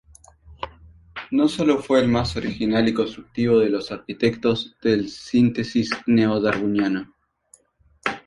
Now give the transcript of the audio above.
No solo fue el más original y constructivo de los arquitectos del síntesis neo-Darwiniano.